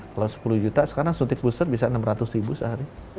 kalau sepuluh juta sekarang suntik booster bisa enam ratus ribu sehari